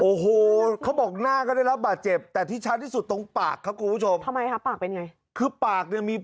โอ้โฮเขาบอกหน้าก็ได้รับบาดเจ็บ